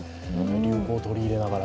流行を取り入れながら。